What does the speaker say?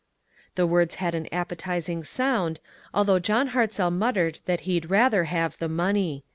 The words had an appetizing sound, al though John Hartzell muttered that he'd rather have the money.